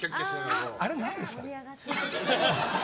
あれ、何ですか？